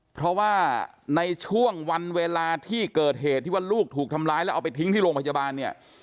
เพราะว่าในช่วงวันเวลาที่เกิดเหตุที่ว่าลูกถูกทำร้ายแล้วเอาไปทิ้งที่โรงพยาบาลเนี่ย